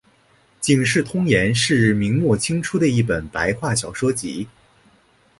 警世通言是明末清初的一本白话小说集。